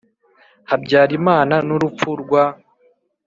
Habyarimana n urupfu rwa